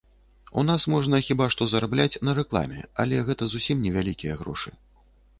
У нас можна хіба што зарабляць на рэкламе, але гэта зусім не вялікія грошы.